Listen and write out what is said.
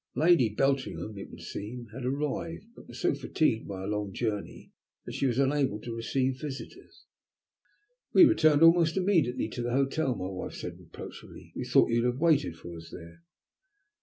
Lady Beltringham, it would appear, had arrived, but was so fatigued by her long journey that she was unable to receive visitors. "We returned almost immediately to the hotel," said my wife reproachfully. "We thought you would have waited for us there."